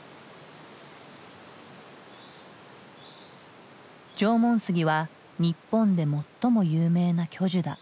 縄文杉は日本で最も有名な巨樹だ。